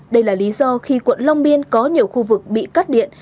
đây là lý do khi quận long biên có nhiều khu vực bị cắt điện